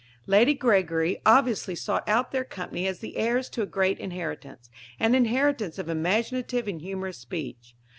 Lady Gregory obviously sought out their company as the heirs to a great inheritance an inheritance of imaginative and humorous speech.